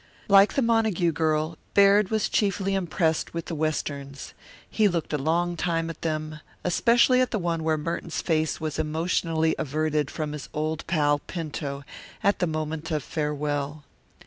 Like the Montague girl, Baird was chiefly impressed with the Westerns. He looked a long time at them, especially at the one where Merton's face was emotionally averted from his old pal, Pinto, at the moment of farewell.